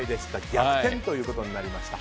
逆転ということになりました。